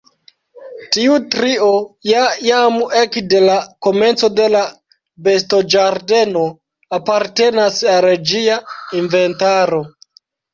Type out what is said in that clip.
Tiu trio ja jam ekde la komenco de la bestoĝardeno apartenas al ĝia inventaro.